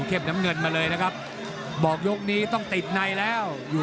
คอยรอแข้งซ้ายคอยสาด